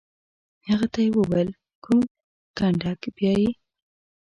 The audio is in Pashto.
هغه ته یې وویل: کوم کنډک؟ بیا یې.